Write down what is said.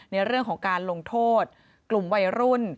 ในเรื่องของการลงโทษกลุ่มวัยรุ่น